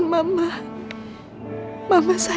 semoga kamu bisa kembali lagi